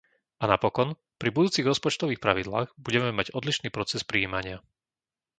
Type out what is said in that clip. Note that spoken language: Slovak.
A napokon, pri budúcich rozpočtových pravidlách budeme mať odlišný proces prijímania.